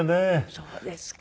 そうですか。